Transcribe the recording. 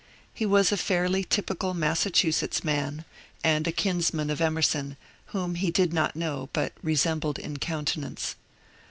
He was a fairly typical Massachusetts man, and a kinsman of Emerson, whom he did not know but resembled in countenance.